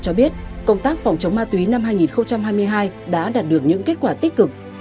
cho biết công tác phòng chống ma túy năm hai nghìn hai mươi hai đã đạt được những kết quả tích cực